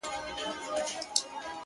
په کتو یې بې ساغره بې شرابو نشه کيږم،